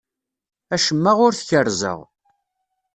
Acemma ur t-kerrzeɣ.